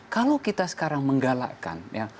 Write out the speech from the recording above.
kalau kita sekarang menggalakkan ya